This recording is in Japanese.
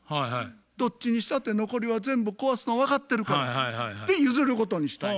どっちにしたって残りは全部壊すの分かってるから」って譲ることにしたんや。